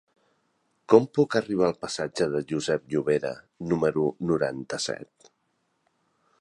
Com puc arribar al passatge de Josep Llovera número noranta-set?